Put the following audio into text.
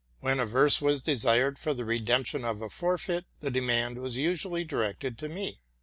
Whena verse was desired for the redemption of a forfeit, the demand was usually directed to me.